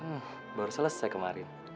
kan baru selesai kemarin